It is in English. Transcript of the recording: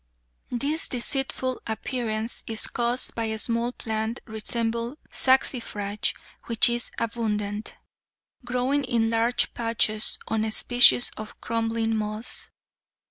This deceitful appearance is caused by a small plant resembling saxifrage, which is abundant, growing in large patches on a species of crumbling moss.